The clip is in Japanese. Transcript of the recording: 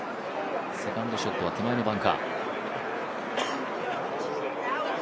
セカンドショットは手前のバンカー。